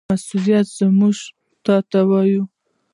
مسؤلینو موږ ته و ویل: